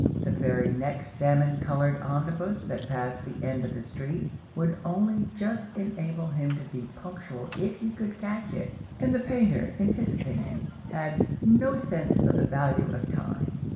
The very next salmon colored omnibus that passed the end of the street would only just enable him to be punctual if he could catch it, and the painter, in his opinion, had "no sense of the value of time."